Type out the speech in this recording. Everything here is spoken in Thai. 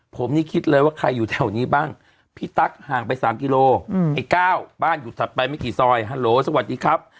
ผมนี่คิดเลยว่าใครอยู่แถวนี้บ้างพี่ตั๊กห่างไป๓กิโลไอ้๙บ้านอยู่ถัดไปไม่กี่ซอยฮัลโหลสวัสดีครับ